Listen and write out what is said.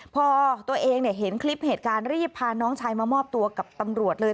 พอตัวเองเห็นคลิปเหตุการณ์รีบพาน้องชายมามอบตัวกับตำรวจเลย